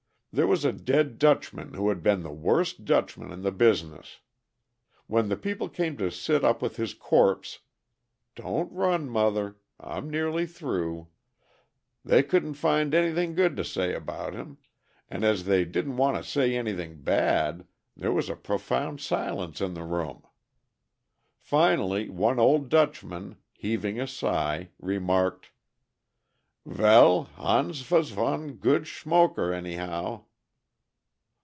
There was a dead Dutchman who had been the worst Dutchman in the business. When the people came to sit up with his corpse don't run, mother, I'm nearly through they couldn't find anything good to say about him, and as they didn't want to say anything bad there was a profound silence in the room. Finally one old Dutchman, heaving a sigh, remarked: 'Vell, Hans vas vone goot schmoker, anyhow.'